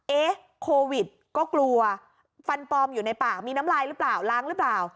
เอ๊ะโควิดก็กลัวฟันปลอมอยู่ในปากมีน้ำลายหรือเปล่าล้างหรือเปล่า